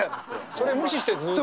それ無視してずっと。